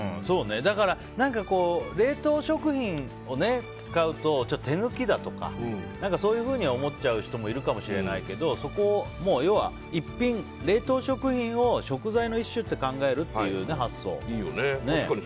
だから、冷凍食品を使うとちょっと手抜きだとかそういうふうに思っちゃう人もいるかもしれないけどそこを、要は１品、冷凍食品を食材の一種と考えるという発想。